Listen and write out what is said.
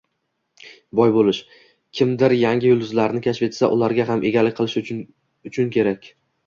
—Boy bo'lish, kimdir yangi yulduzlami kashf etsa ularga ham egalik qilish uchun kerak.